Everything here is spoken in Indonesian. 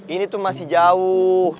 ini tuh masih jauh